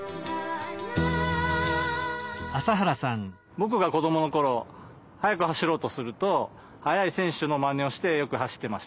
ぼくが子どものころ速く走ろうとすると速い選手のまねをしてよく走っていました。